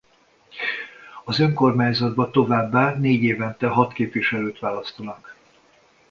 Az önkormányzatba továbbá négy évente hat képviselőt választanak.